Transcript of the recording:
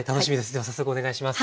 では早速お願いします。